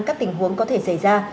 các tình huống có thể xảy ra